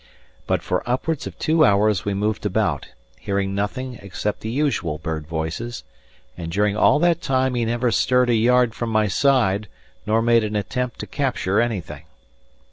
But for upwards of two hours we moved about, hearing nothing except the usual bird voices, and during all that time he never stirred a yard from my side nor made an attempt to capture anything.